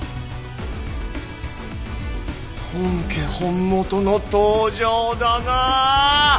本家本元の登場だなぁ！